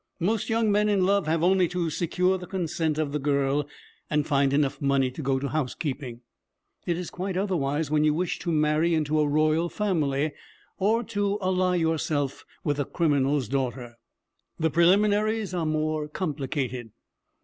Most young men in love have only to secure the consent of the girl and find enough money to go to housekeeping. It is quite otherwise when you wish to marry into a royal family, or to ally yourself with a criminal's daughter. The preliminaries are more complicated.